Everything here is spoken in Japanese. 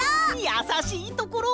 やさしいところ！